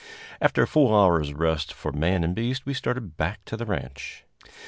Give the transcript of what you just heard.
After a full hour's rest for man and beast, we started back to the ranch.